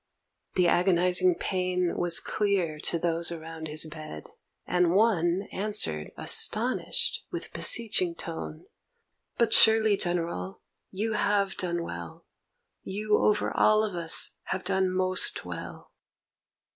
The agonizing pain Was clear to those around his bed, and one Answered, astonished, with beseeching tone: 'But surely, General, you have done well, You over all of us have done most well.'